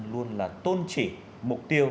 luôn là tôn trị mục tiêu